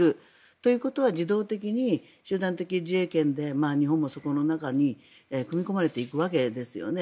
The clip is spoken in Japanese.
ということは自動的に集団的自衛権で日本もそこの中に組み込まれていくわけですよね。